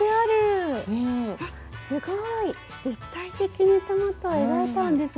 すごい！立体的にトマトを描いたんですね。